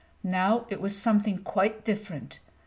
Now it was something quite different.